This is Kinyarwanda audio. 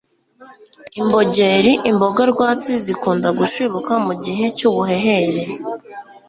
imbogeri imboga rwatsi zikunda gushibuka mu gihe cy'ubuhehere